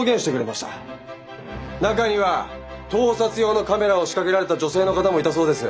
中には盗撮用のカメラを仕掛けられた女性の方もいたそうです。